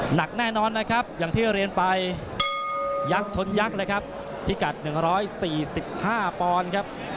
หนักแน่นอนนะครับอย่างที่เรียนไปยักษ์ชนยักษ์เลยครับพิกัด๑๔๕ปอนด์ครับ